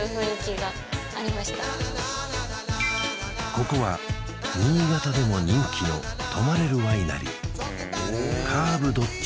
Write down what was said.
ここは新潟でも人気の泊まれるワイナリーあ